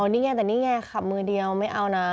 อ๋อนี่ไงขับมือเดียวไม่เอานะ